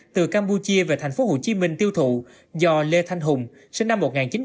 từ campuchia về tp hcm tiêu thụ do lê thanh hùng sinh năm một nghìn chín trăm tám mươi